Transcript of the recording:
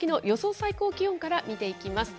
最高気温から見ていきます。